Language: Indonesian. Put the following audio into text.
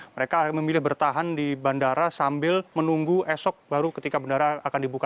mereka memilih bertahan di bandara sambil menunggu esok baru ketika bandara akan dibuka